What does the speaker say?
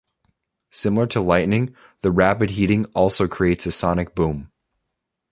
Similar to lightning, the rapid heating also creates a sonic boom.